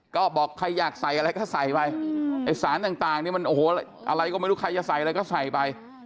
ก็บอกใครอยากใส่อะไรก็ใส่ไปสารต่างอะไรก็ไม่รู้ใครจะใส่อะไรก็ใส่ไป